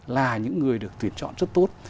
là những người được tuyển chọn rất tốt